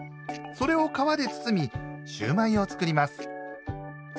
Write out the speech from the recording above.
それを皮で包みシューマイを作ります。